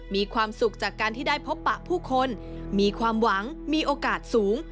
มีความสุขจากการที่ได้พบปะผู้คนมีความหวังมีโอกาสสูง